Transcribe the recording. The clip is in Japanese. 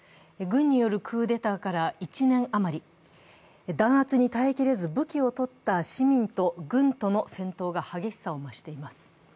軍によるクーデターから１年余り、弾圧に耐えきれず武器を取った市民と軍との戦闘が激しさを増しています。